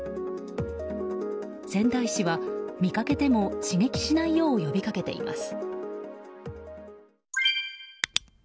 仙台市は、見かけても刺激しないよう呼びかけています。